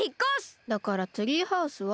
だからツリーハウスは？